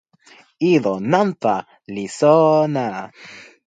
ilo nanpa li sona!